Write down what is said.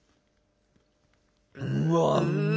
うわうっま！